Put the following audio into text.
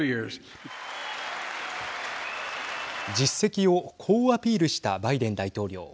実績をこうアピールしたバイデン大統領。